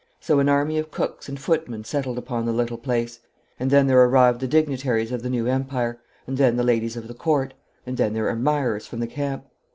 So an army of cooks and footmen settled upon the little place, and then there arrived the dignitaries of the new Empire, and then the ladies of the Court, and then their admirers from the camp.